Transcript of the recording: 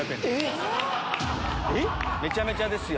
めちゃめちゃですよ。